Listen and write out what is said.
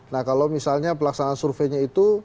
nah kalau misalnya pelaksanaan surveinya itu